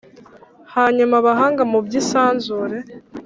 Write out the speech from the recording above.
hanyuma abahanga mu by’isanzure